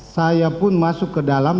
saya pun masuk ke dalam